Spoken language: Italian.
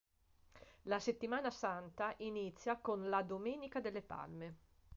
La settimana santa inizia con la domenica delle Palme.